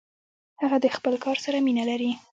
هغه د خپل کار سره مینه لري.